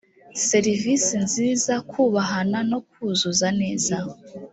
serivisi nziza kubahana no kuzuza neza